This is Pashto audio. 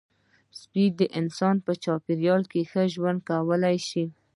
سپي د انسان په چاپېریال کې ښه ژوند کولی شي.